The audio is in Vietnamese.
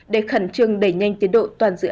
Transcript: để khẩn trương đẩy nhanh tiến độ toàn dự án